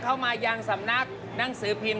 เข้ามายังสำนักหนังสือพิมพ์